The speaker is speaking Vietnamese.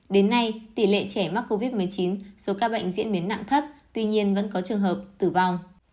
đến nay tỷ lệ trẻ mắc covid một mươi chín số ca bệnh diễn biến nặng thấp tuy nhiên vẫn có trường hợp tử vong